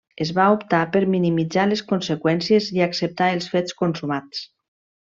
Es va optar per minimitzar les conseqüències i acceptar els fets consumats.